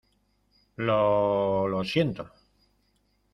Lo... Lo siento .